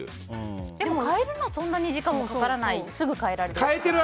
でも、替えるのそんなに時間かからないすぐ替えられる。